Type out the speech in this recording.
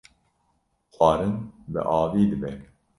xwarin bi avî dibe